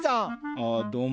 あっどうも。